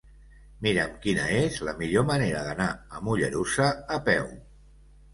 Mira'm quina és la millor manera d'anar a Mollerussa a peu.